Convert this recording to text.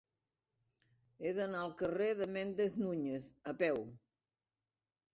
He d'anar al carrer de Méndez Núñez a peu.